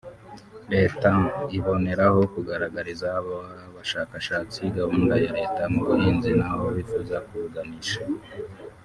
Leta iboneraho kugaragariza aba bashakashatsi gahunda ya Leta mu buhinzi n’aho bifuza kubuganisha